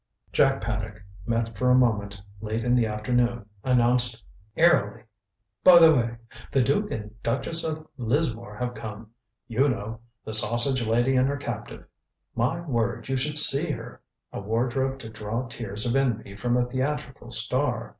Jack Paddock, met for a moment late in the afternoon, announced airily: "By the way, the Duke and Duchess of Lismore have come. You know the sausage lady and her captive. My word you should see her! A wardrobe to draw tears of envy from a theatrical star.